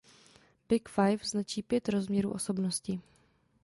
Big five značí pět rozměrů osobnosti.